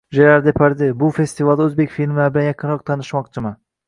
Jerar Deparde: "Bu festivalda o‘zbek filmlari bilan yaqinroq tanishmoqchiman"